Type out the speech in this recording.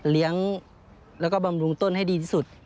เลี้ยงแล้วก็บำรุงต้นให้ดีที่สุด